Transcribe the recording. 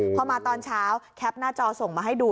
พอมาตอนเช้าแคปหน้าจอส่งมาให้ดู